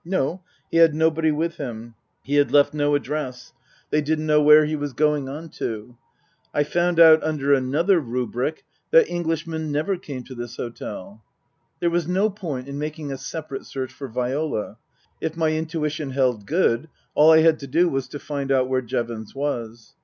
No, he had nobody with him. He had left no address. They 58 Tasker Jevons didn't know where he was going on to. I found out under another rubric that Englishmen never came to this hotel. There was no point in making a separate search for Viola ; if my intuition held good, all I had to do was to find out where Jevons was.